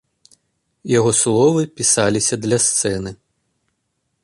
Яго словы пісаліся для сцэны.